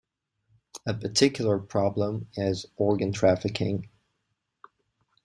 A particular problem is organ trafficking.